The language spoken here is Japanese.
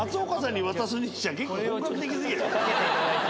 掛けていただいて。